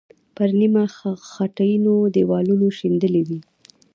پر نیمه خټینو دیوالونو شیندلې وې.